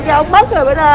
rồi ông mất rồi